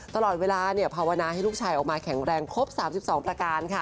ตลอดเวลาภาวนาให้ลูกชายออกมาแข็งแรงครบ๓๒ประการค่ะ